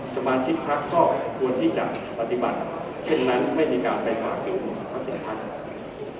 สมาชิกภักดิ์ก็ควรที่จะปฏิบัติเช่นนั้นไม่มีการไปหากดูวัตติภักดิ์